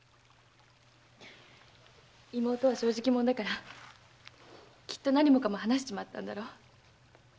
妹は正直者だからきっと何もかも話しちまったんだろ？